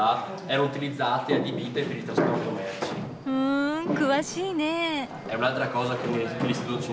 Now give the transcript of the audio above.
ふん詳しいね。